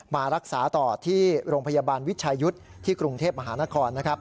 มารักษาต่อที่โรงพยาบาลวิชายุทธ์ที่กรุงเทพมหานครนะครับ